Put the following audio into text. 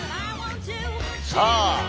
さあ